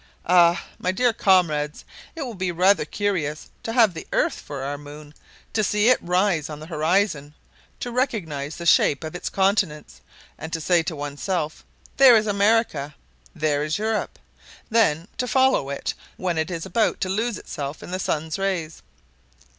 Ah! my dear comrades, it will be rather curious to have the earth for our moon, to see it rise on the horizon, to recognize the shape of its continents, and to say to oneself, 'There is America, there is Europe;' then to follow it when it is about to lose itself in the sun's rays!